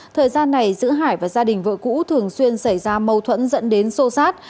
thời gian này giữa hải và gia đình vợ cũ thường xuyên xảy ra mâu thuẫn dẫn đến sô sát